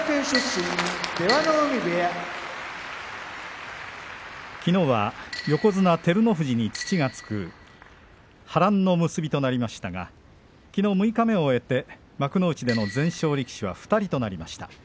出羽海部屋きのうは横綱照ノ富士に土がつく波乱の結びとなりましたがきのう六日目を終えて幕内での全勝力士は２人となりました。